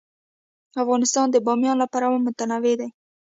افغانستان د بامیان له پلوه متنوع دی.